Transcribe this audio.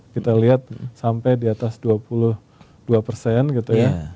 kita lihat sampai di atas dua puluh dua persen gitu ya